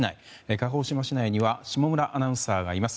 鹿児島市内には下村アナウンサーがいます。